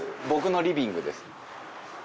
僕のリビングです。